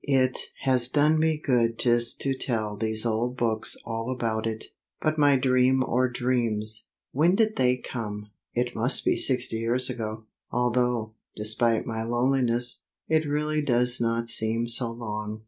It has done me good just to tell these old books all about it. But my dream or dreams; when did they come? It must be sixty years ago, although, despite my loneliness, it really does not seem so long.